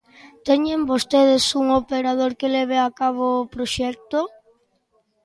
¿Teñen vostedes un operador que leve a cabo o proxecto?